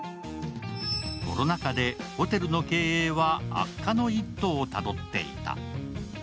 コロナ禍でホテルの経営は悪化の一途をたどっていた。